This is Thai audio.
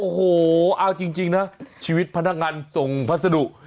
โอ้โหเอาจริงนะชีวิตพนักงานส่งพัสดุ